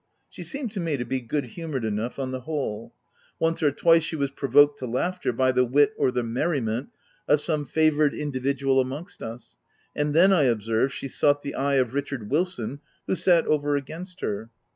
She seemed, to me, to be good humoured enough on the whole. Once or twice she was provoked to laughter by the wit, or the merriment of some favoured individual amongst us ; and then I observed she sought the eye of Richard Wilson, who sat OF WILDFELL HALL. 67 over against her.